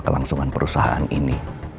kelangsungan perusahaan ini